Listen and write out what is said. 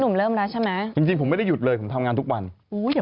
รู้สึกจะเป็นอยู่อย่างนั้นนะ